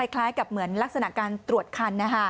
คล้ายกับเหมือนลักษณะการตรวจคัน